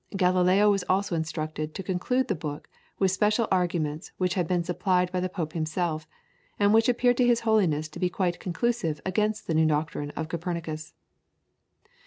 Galileo was also instructed to conclude the book with special arguments which had been supplied by the Pope himself, and which appeared to his Holiness to be quite conclusive against the new doctrine of Copernicus.